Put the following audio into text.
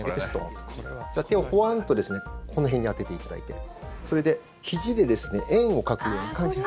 手をホワンとこの辺に当てていただいてそれでひじで円を描くような感じで。